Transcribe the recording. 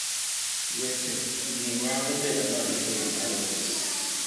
Wechegi nyalo bedo weche mondik e yo ma mar ofis.